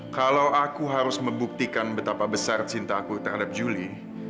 kalau aku harus membuktikan betapa besar cinta aku terhadap juli